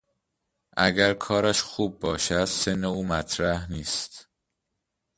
اگر کارش خوب باشد سن او مطرح نیست.